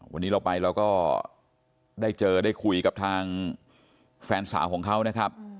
วันนี้เราไปเราก็ได้เจอได้คุยกับทางแฟนสาวของเขานะครับ